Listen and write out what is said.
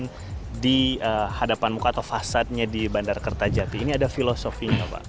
yang di hadapan muka atau fasadnya di bandara kertajati ini ada filosofinya pak